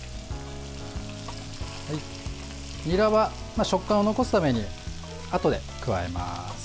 にらは食感を残すためにあとで加えます。